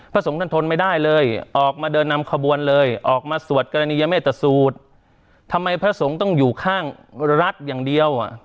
พระสงฆ์ท่านทนไม่ได้เลยออกมาเดินนำขบวนเลยออกมาสวดกรณียเมตตสูตรทำไมพระสงฆ์ต้องอยู่ข้างรัฐอย่างเดียว